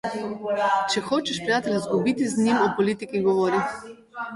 Če hočeš prijatelja izgubiti, z njim o politiki govori.